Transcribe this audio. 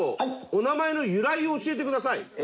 お名前の由来を教えてください。